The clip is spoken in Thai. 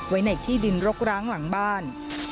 ไว้ในที่ดินรกร้างหลังบ้าน